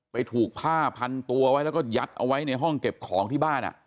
ถูกผ้าพันตัวไว้แล้วก็ยัดเอาไว้ในห้องเก็บของที่บ้าน